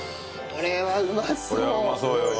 これはうまそうよ。